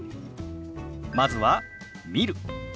まずは「見る」。